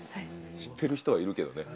知ってる人はいるけどね。